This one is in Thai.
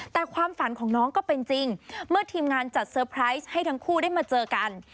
แต่ความฝันของน้องก็เป็นจริงเมื่อทีมงานจัดเตอร์ไพรส์ให้ทั้งคู่ได้มาเจอกัน